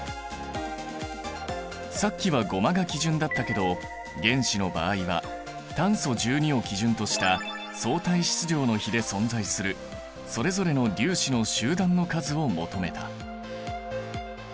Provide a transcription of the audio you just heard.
さっきはゴマが基準だったけど原子の場合は炭素１２を基準とした相対質量の比で存在するそれぞれの粒子の集団の数を求めた。